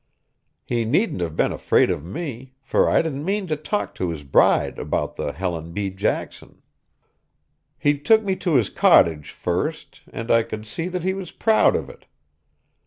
He needn't have been afraid of me, for I didn't mean to talk to his bride about the Helen B. Jackson. He took me to his cottage first, and I could see that he was proud of it.